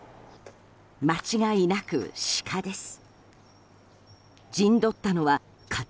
間違いなくシカです。